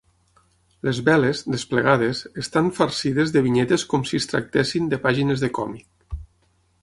Les veles, desplegades, estan farcides de vinyetes com si es tractessin de pàgines de còmic.